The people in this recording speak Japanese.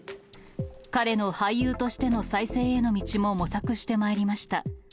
彼の俳優としての再生への道も模索してまいりました。